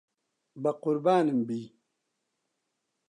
بەقوربانم بی.